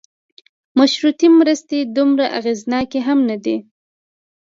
مشروطې مرستې دومره اغېزناکې هم نه دي.